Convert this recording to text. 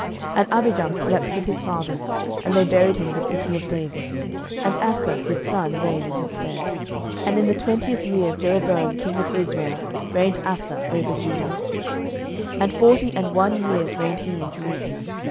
11:015:008 And Abijam slept with his fathers; and they buried him in the city of David: and Asa his son reigned in his stead. 11:015:009 And in the twentieth year of Jeroboam king of Israel reigned Asa over Judah. 11:015:010 And forty and one years reigned he in Jerusalem.